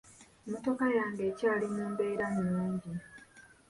Emmotoka yange ekyali mu mbeera nnungi.